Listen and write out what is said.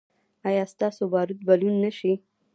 ایا ستاسو باروت به لوند نه شي؟